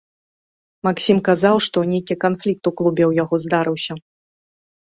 Максім казаў, што нейкі канфлікт у клубе ў яго здарыўся.